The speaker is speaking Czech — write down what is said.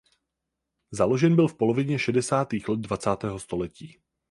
Založen byl v polovině šedesátých let dvacátého století.